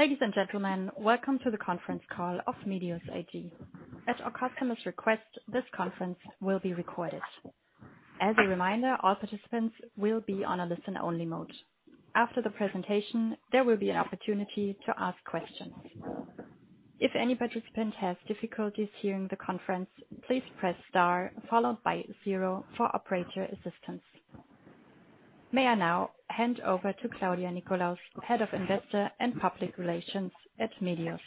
Ladies and gentlemen, welcome to the conference call of Medios AG. At our customers request, this conference will be recorded. As a reminder, all participants will be on a listen-only mode. After the presentation, there will be an opportunity to ask questions. If any participant has difficulties hearing the conference, please press star followed by zero for operator assistance. May I now hand over to Claudia Nickolaus, Head of Investor and Public Relations at Medios.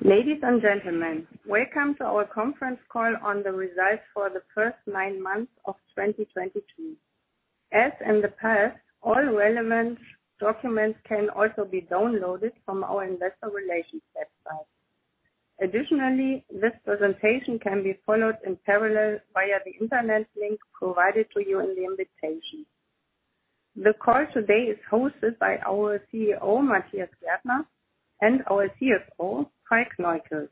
Ladies and gentlemen, welcome to our conference call on the results for the first nine months of 2022. As in the past, all relevant documents can also be downloaded from our investor relations website. Additionally, this presentation can be followed in parallel via the internet link provided to you in the invitation. The call today is hosted by our CEO, Matthias Gärtner, and our CFO, Falk Neukirch.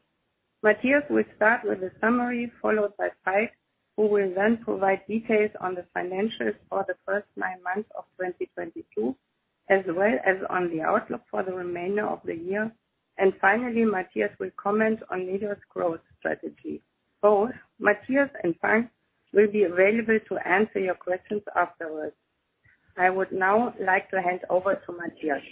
Matthias will start with a summary, followed by Falk, who will then provide details on the financials for the first nine months of 2022, as well as on the outlook for the remainder of the year. Finally, Matthias will comment on Medios growth strategy. Both Matthias and Falk will be available to answer your questions afterwards. I would now like to hand over to Matthias.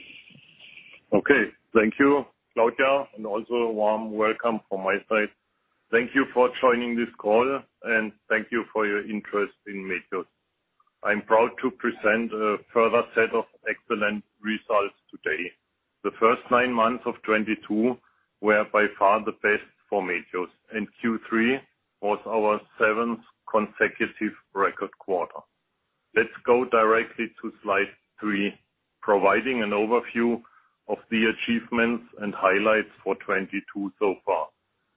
Okay. Thank you, Claudia, and also a warm welcome from my side. Thank you for joining this call, and thank you for your interest in Medios. I'm proud to present a further set of excellent results today. The first nine months of 2022 were by far the best for Medios, and Q3 was our seventh consecutive record quarter. Let's go directly to slide three, providing an overview of the achievements and highlights for 2022 so far,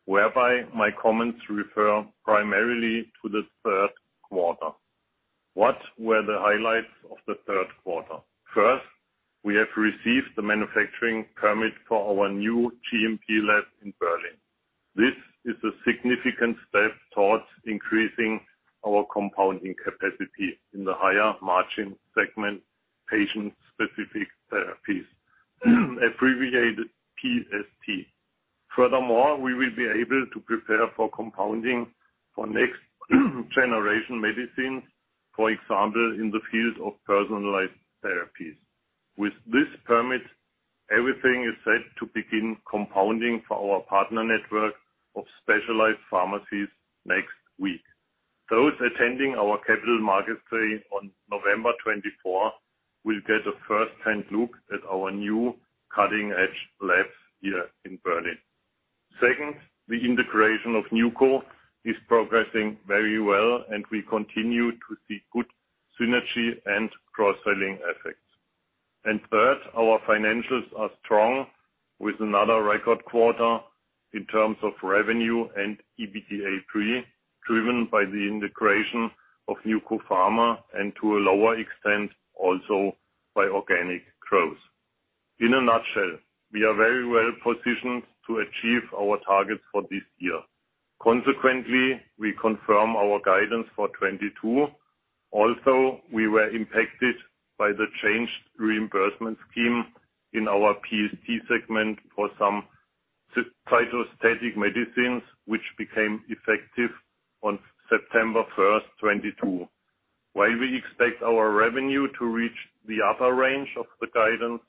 whereby my comments refer primarily to the third quarter. What were the highlights of the third quarter? First, we have received the manufacturing permit for our new GMP lab in Berlin. This is a significant step towards increasing our compounding capacity in the higher margin segment, patient-specific therapies, abbreviated PST. Furthermore, we will be able to prepare for compounding for next generation medicines, for example, in the field of personalized therapies. With this permit, everything is set to begin compounding for our partner network of specialized pharmacies next week. Those attending our capital markets day on November 24th will get a first-hand look at our new cutting-edge labs here in Berlin. Second, the integration of NewCo is progressing very well, and we continue to see good synergy and cross-selling effects. Third, our financials are strong with another record quarter in terms of revenue and EBITDA pre, driven by the integration of NewCo Pharma and to a lower extent, also by organic growth. In a nutshell, we are very well-positioned to achieve our targets for this year. Consequently, we confirm our guidance for 2022. Also, we were impacted by the changed reimbursement scheme in our PST segment for some cytostatic medicines, which became effective on September 1, 2022. While we expect our revenue to reach the upper range of the guidance,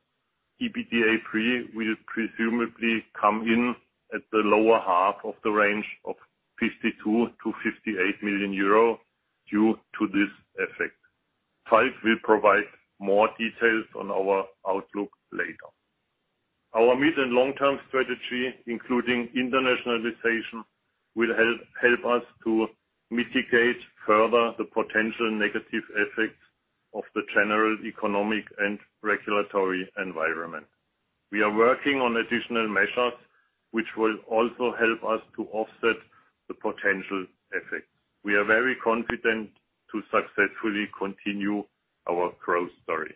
EBITDA pre will presumably come in at the lower half of the range of 52 million-58 million euro due to this effect. Falk will provide more details on our outlook later. Our mid and long-term strategy, including internationalization, will help us to mitigate further the potential negative effects of the general economic and regulatory environment. We are working on additional measures which will also help us to offset the potential effects. We are very confident to successfully continue our growth story.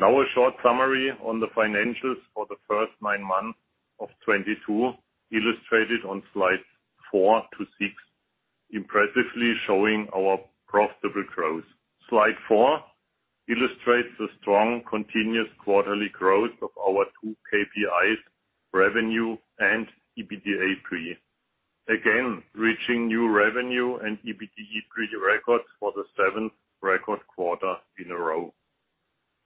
Now, a short summary on the financials for the first 9 months of 2022, illustrated on slides 4-6, impressively showing our profitable growth. Slide 4 illustrates the strong continuous quarterly growth of our two KPIs, revenue and EBITDA pre. Again, reaching new revenue and EBITDA pre records for the 7th record quarter in a row.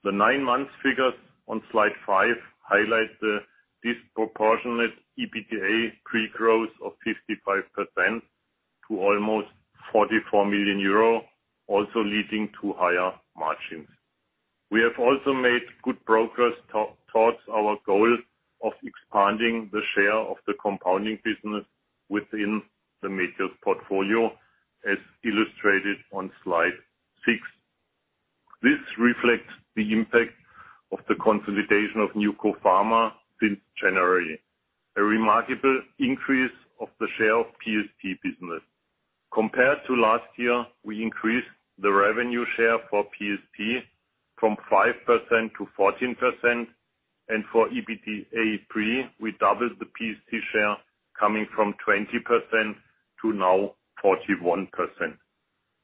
The 9-month figures on Slide five highlight the disproportionate EBITDA pre-growth of 55% to almost 44 million euro, also leading to higher margins. We have also made good progress towards our goal of expanding the share of the compounding business within the Medios portfolio, as illustrated on Slide six. This reflects the impact of the consolidation of NewCo Pharma since January, a remarkable increase of the share of PST business. Compared to last year, we increased the revenue share for PST from 5% to 14%, and for EBITDA pre, we doubled the PST share coming from 20% to now 41%.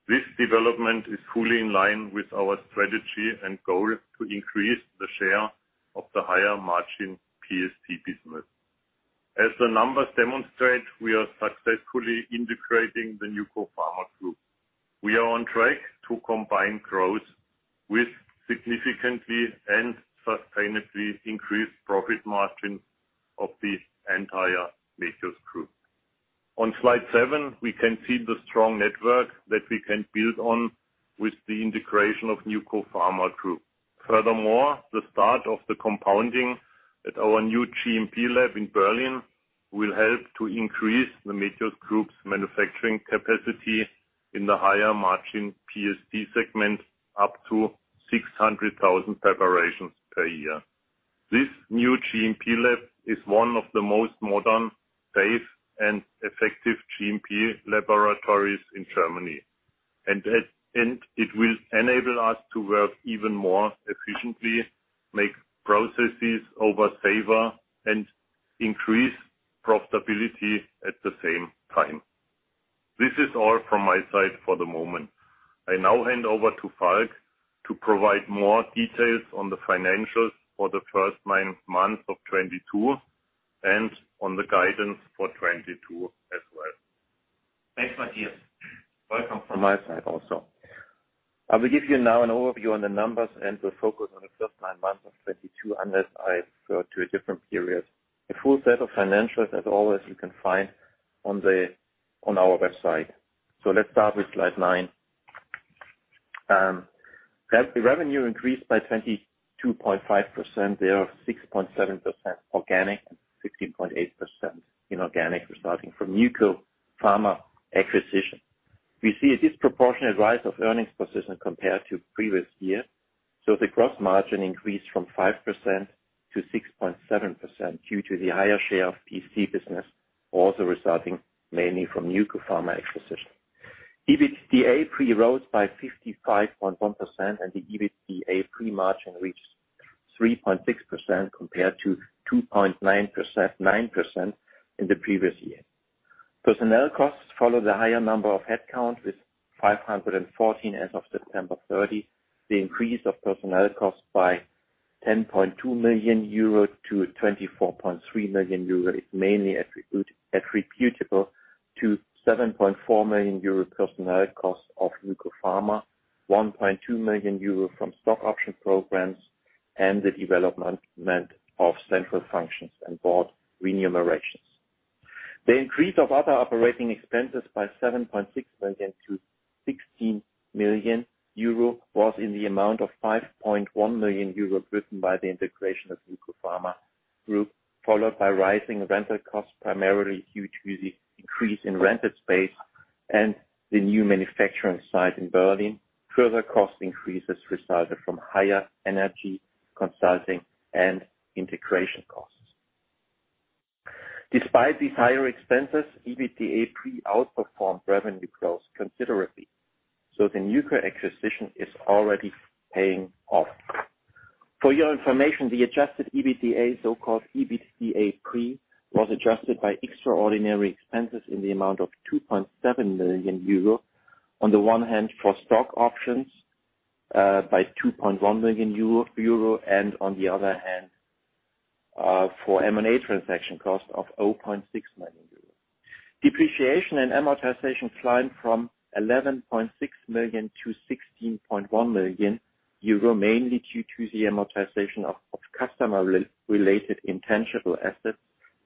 This development is fully in line with our strategy and goal to increase the share of the higher margin PST business. As the numbers demonstrate, we are successfully integrating the NewCo Pharma Group. We are on track to combine growth with significantly and sustainably increased profit margin of the entire Medios Group. On Slide seven, we can see the strong network that we can build on with the integration of NewCo Pharma Group. Furthermore, the start of the compounding at our new GMP lab in Berlin will help to increase the Medios Group's manufacturing capacity in the higher margin PST segment, up to 600,000 preparations per year. This new GMP lab is one of the most modern, safe, and effective GMP laboratories in Germany. It will enable us to work even more efficiently, make processes safer, and increase profitability at the same time. This is all from my side for the moment. I now hand over to Falk to provide more details on the financials for the first nine months of 2022, and on the guidance for 2022 as well. Thanks, Matthias. Welcome from my side also. I will give you now an overview on the numbers and the focus on the first nine months of 2022, unless I refer to a different period. The full set of financials, as always, you can find on our website. Let's start with Slide nine. That the revenue increased by 22.5% thereof 6.7% organic, and 15.8% inorganic, resulting from NewCo Pharma acquisition. We see a disproportionaterise of earnings per season compared to previous years. The gross margin increased from 5% to 6.7% due to the higher share of PST business, also resulting mainly from NewCo Pharma acquisition. EBITDA pre rose by 55.1%, and the EBITDA pre-margin reached 3.6% compared to 2.9% in the previous year. Personnel costs follow the higher number of headcount with 514 as of September 30. The increase of personnel costs by 10.2 million euro to 24.3 million euro is mainly attributable to 7.4 million euro personnel costs of NewCo Pharma, 1.2 million euro from stock option programs, and the development of central functions and board remunerations. The increase of other operating expenses by 7.6 million to 16 million euro was in the amount of 5.1 million euro, driven by the integration of NewCo Pharma Group, followed by rising rental costs, primarily due to the increase in rented space and the new manufacturing site in Berlin. Further cost increases resulted from higher energy consulting and integration costs. Despite these higher expenses, EBITDA pre outperformed revenue growth considerably, so the NewCo acquisition is already paying off. For your information, the adjusted EBITDA, so-called EBITDA pre, was adjusted by extraordinary expenses in the amount of 2.7 million euro. On the one hand, for stock options by 2.1 million euro. On the other hand, for M&A transaction cost of 0.6 million euro. Depreciation and amortization climbed from 11.6 million to 16.1 million euro, mainly due to the amortization of customer-related intangible assets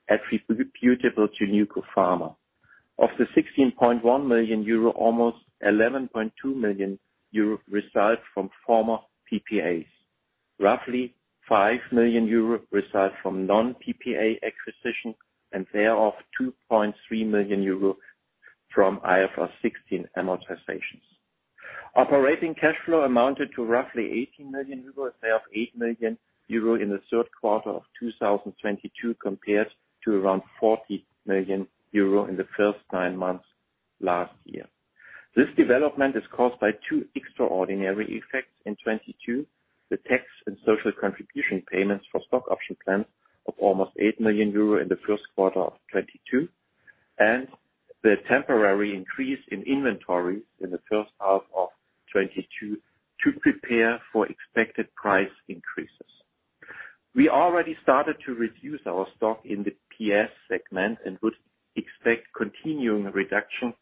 attributable to NewCo Pharma. Of the 16.1 million euro, almost 11.2 million euro results from former PPAs. Roughly 5 million euro results from non-PPA acquisitions, and thereof, 2.3 million euro from IFRS 16 amortizations. Operating cash flow amounted to roughly 18 million euro, thereof 8 million euro in the third quarter of 2022, compared to around 40 million euro in the first nine months last year. This development is caused by two extraordinary effects in 2022, the tax and social contribution payments for stock option plans of almost 8 million euro in the first quarter of 2022, and the temporary increase in inventory in the first half of 2022 to prepare for expected price increases. We already started to reduce our stock in the PS segment and would expect continuing reduction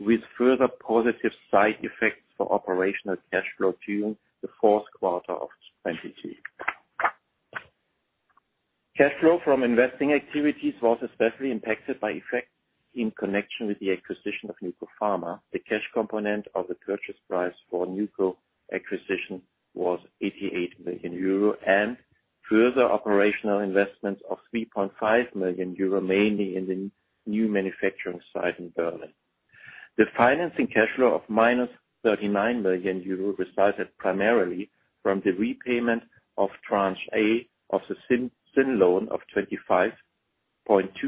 with further positive side effects for operational cash flow during the fourth quarter of 2022. Cash flow from investing activities was especially impacted by effects in connection with the acquisition of NewCo Pharma. The cash component of the purchase price for NewCo Pharma acquisition was 88 million euro and further operational investments of 3.5 million euro, mainly in the new manufacturing site in Berlin. The financing cash flow of -39 million euro resulted primarily from the repayment of tranche A of the syndicated loan of 25.2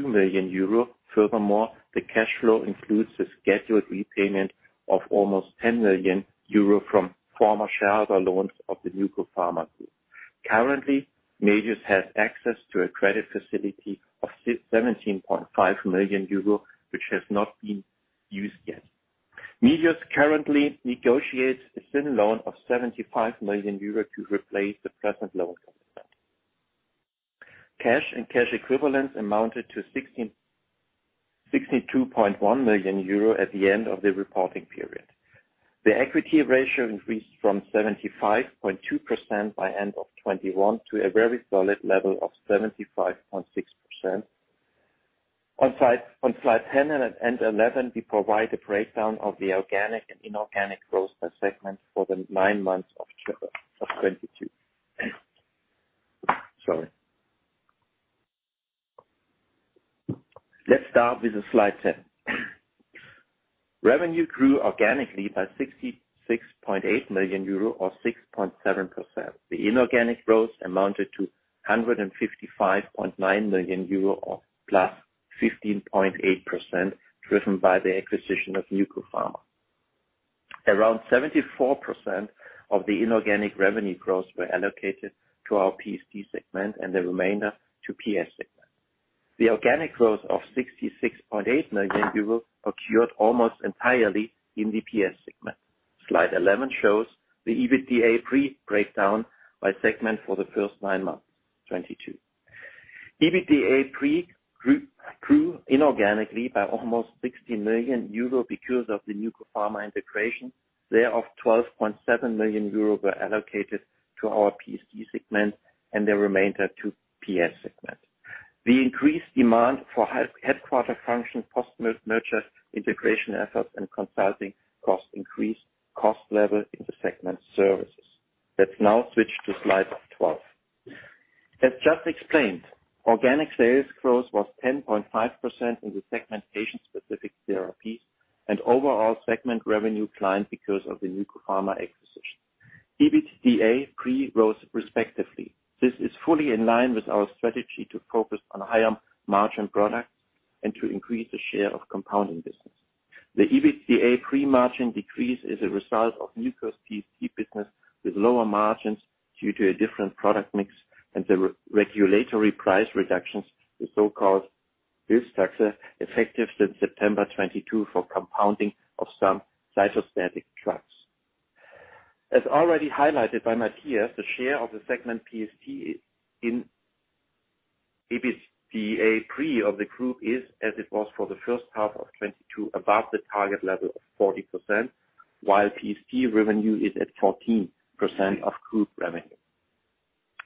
million euro. Furthermore, the cash flow includes the scheduled repayment of almost 10 million euro from former shareholder loans of the NewCo Pharma. Currently, Medios has access to a credit facility of 17.5 million euro, which has not been used yet. Medios currently negotiates a syndicated loan of 75 million euros to replace the present loan. Cash and cash equivalents amounted to 62.1 million euro at the end of the reporting period. The equity ratio increased from 75.2% by end of 2021, to a very solid level of 75.6%. On Slide 10 and 11, we provide a breakdown of the organic and inorganic growth per segment for the nine months of 2022. Sorry. Let's start with Slide 10. Revenue grew organically by 66.8 million euro or 6.7%. The inorganic growth amounted to 155.9 million euro or +15.8%, driven by the acquisition of NewCo Pharma. Around 74% of the inorganic revenue growth were allocated to our PST segment and the remainder to PS segment. The organic growth of 66.8 million euros occurred almost entirely in the PS segment. Slide 11 shows the EBITDA pre breakdown by segment for the first nine months 2022. EBITDA pre grew inorganically by almost 60 million euro because of the NewCo Pharma integration. Thereof, 12.7 million euro were allocated to our PST segment and the remainder to PS segment. The increased demand for headquarter function, post-merger integration efforts, and consulting cost increase cost level in the segment services. Let's now switch to Slide 12. As just explained, organic sales growth was 10.5% in the segment patient-specific therapies and overall segment revenue declined because of the NewCo Pharma acquisition. EBITDA pre rose respectively. This is fully in line with our strategy to focus on higher margin products and to increase the share of compounding business. The EBITDA pre-margin decrease is a result of NewCo's PST business with lower margins due to a different product mix and the regulatory price reductions, the so-called Hilfstaxe, effective since September 2022 for compounding of some cytostatic drugs. As already highlighted by Matthias, the share of the segment PST in EBITDA pre of the group is, as it was for the first half of 2022, above the target level of 40%, while PST revenue is at 14% of group revenue.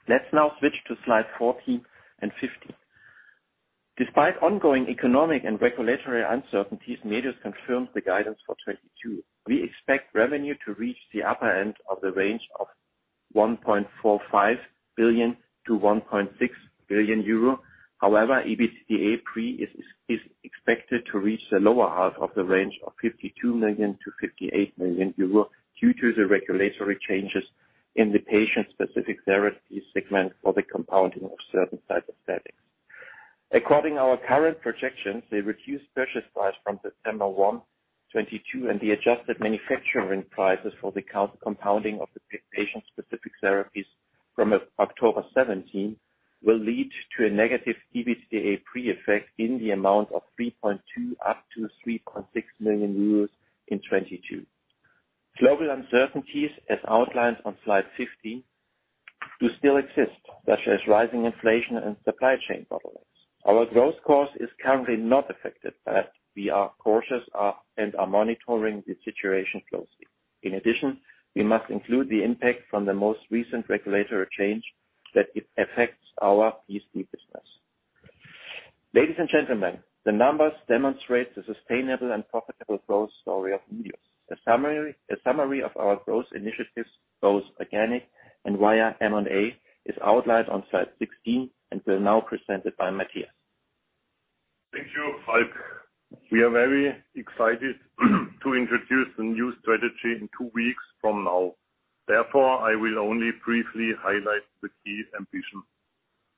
Let's now switch to Slide 14 and 15. Despite ongoing economic and regulatory uncertainties, Medios confirms the guidance for 2022. We expect revenue to reach the upper end of the range of 1.45 billion-1.6 billion euro. However, EBITDA pre is expected to reach the lower half of the range of 52 million-58 million euro due to the regulatory changes in the patient-specific therapy segment for the compounding of certain cytostatics. According to our current projections, the reduced purchase price from September 1, 2022, and the adjusted manufacturing prices for the central compounding of the patient-specific therapies from October 17, will lead to a negative EBITDA pre-effect in the amount of 3.2 million-3.6 million euros in 2022. Global uncertainties, as outlined on Slide 15, do still exist, such as rising inflation and supply chain bottlenecks. Our growth course is currently not affected, but we are cautious and are monitoring the situation closely. In addition, we must include the impact from the most recent regulatory change that affects our PST business. Ladies and gentlemen, the numbers demonstrate the sustainable and profitable growth story of Medios. A summary of our growth initiatives, both organic and via M&A, is outlined on slide 16 and will now be presented by Matthias Gärtner. Thank you, Falk. We are very excited to introduce the new strategy in two weeks from now. Therefore, I will only briefly highlight the key ambition.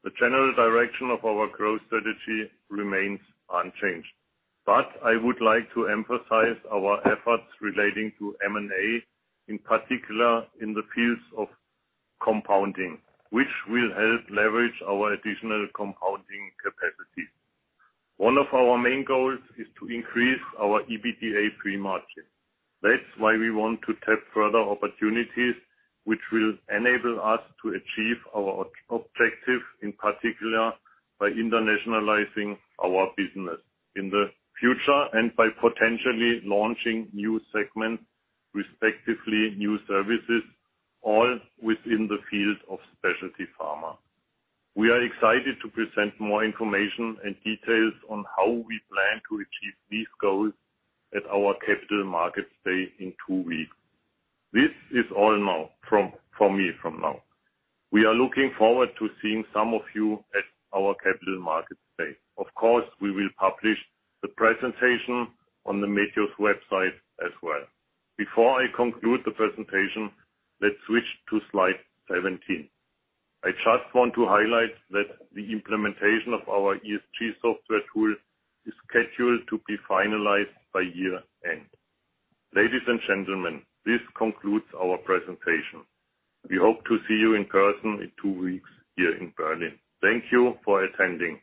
The general direction of our growth strategy remains unchanged. I would like to emphasize our efforts relating to M&A, in particular in the fields of compounding, which will help leverage our additional compounding capacity. One of our main goals is to increase our EBITDA pre margin. That's why we want to tap further opportunities which will enable us to achieve our objective, in particular by internationalizing our business in the future and by potentially launching new segments, respectively, new services, all within the field of specialty pharma. We are excited to present more information and details on how we plan to achieve these goals at our capital markets day in two weeks. This is all from me now. We are looking forward to seeing some of you at our capital markets day. Of course, we will publish the presentation on the Medios website as well. Before I conclude the presentation, let's switch to Slide 17. I just want to highlight that the implementation of our ESG software tool is scheduled to be finalized by year-end. Ladies and gentlemen, this concludes our presentation. We hope to see you in person in two weeks here in Berlin. Thank you for attending.